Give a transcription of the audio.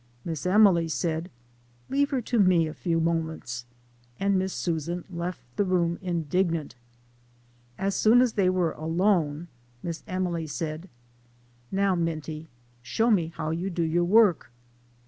Miss Emily said, " Leave her to me a few moments ;" and Miss Susan left the room, indignant. As soon as they were alone, Miss Emily said :" Now, Minty, show me how you do your work."